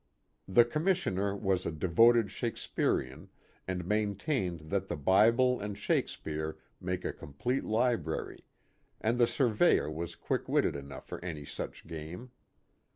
The Commissioner was a devoted Shakespearean, and maintained that the Bible and Shakespeare made a complete library, and the Surveyor was quick witted enough for any such game.